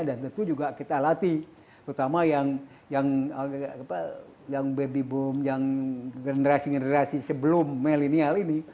dan tentu juga kita latih terutama yang baby boom yang generasi generasi sebelum milenial ini